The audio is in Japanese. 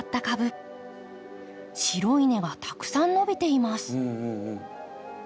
白い根はたくさん伸びています。